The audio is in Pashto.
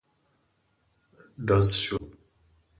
ډز شو.